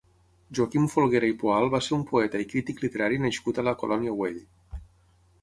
Joaquim Folguera i Poal va ser un poeta i crític literari nascut a La Colònia Güell.